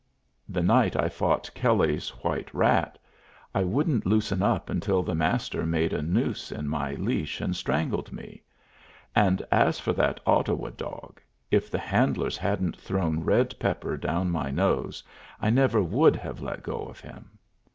The night I fought Kelley's White Rat, I wouldn't loosen up until the Master made a noose in my leash and strangled me; and, as for that Ottawa dog, if the handlers hadn't thrown red pepper down my nose I never would have let go of him.